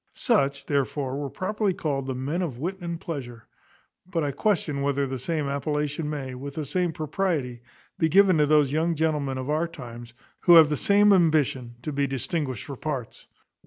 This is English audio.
Such, therefore, were properly called the men of wit and pleasure; but I question whether the same appellation may, with the same propriety, be given to those young gentlemen of our times, who have the same ambition to be distinguished for parts.